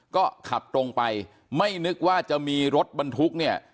ก็ขับตรงไปไม่นึกว่าจะมีรถบรรทุกเนี่ย